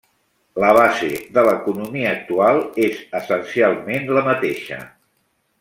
La base de l'economia actual és essencialment la mateixa.